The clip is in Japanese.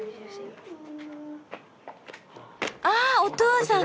ああお父さん。